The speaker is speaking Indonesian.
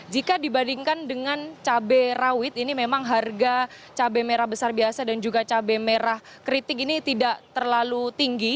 jika dibandingkan dengan cabai rawit ini memang harga cabai merah besar biasa dan juga cabai merah keriting ini tidak terlalu tinggi